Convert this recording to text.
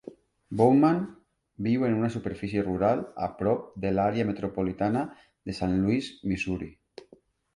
Bowman viu en una superfície rural a prop de l'àrea metropolitana de Saint Louis, Missouri.